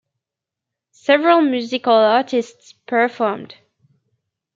Several musical artists performed.